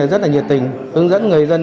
rất là nhiệt tình ứng dẫn người dân